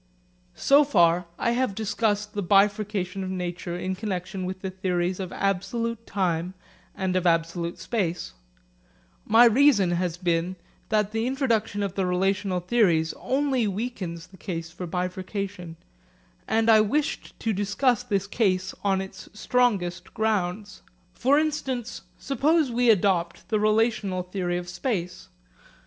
So far I have discussed the bifurcation of nature in connexion with the theories of absolute time and of absolute space. My reason has been that the introduction of the relational theories only weakens the case for bifurcation, and I wished to discuss this case on its strongest grounds. For instance, suppose we adopt the relational theory of space.